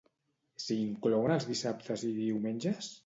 S'hi inclouen els dissabtes i diumenges?